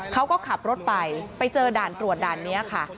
เขาก็ขับรถไปไปเจอด่านตรวจด่านนี้ค่ะ